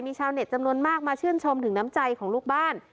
ชาวเน็ตจำนวนมากมาชื่นชมถึงน้ำใจของลูกบ้าน